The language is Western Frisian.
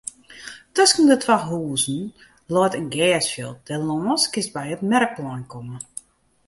Tusken de twa huzen leit in gersfjild; dêrlâns kinst by it merkplein komme.